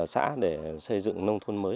xã để xây dựng nông thôn mới